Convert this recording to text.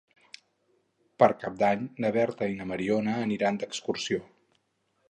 Per Cap d'Any na Berta i na Mariona aniran d'excursió.